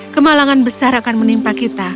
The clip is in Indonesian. kemalangan besar akan menimpa kita